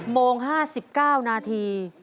โมง๕๙นาที